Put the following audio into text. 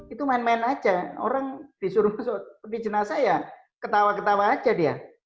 itu main main aja orang disuruh masuk di jenazah ya ketawa ketawa aja dia